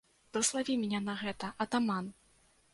Блаславі мяне на гэта, атаман!